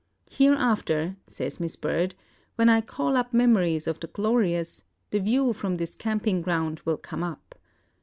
"Hereafter," says Miss Bird, "when I call up memories of the glorious, the view from this camping ground will come up.